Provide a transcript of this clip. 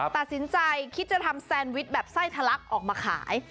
ตัดสินใจคิดจะทำแซนวิชแบบไส้ทะลักออกมาขาย